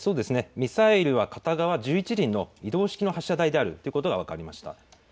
ミサイルは片側１１輪の移動式発射台であるということが分かりました。